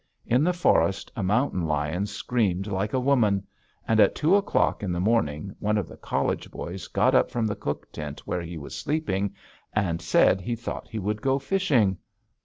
In the forest a mountain lion screamed like a woman, and at two o'clock in the morning one of the college boys got up from the cook tent where he was sleeping, and said he thought he would go fishing!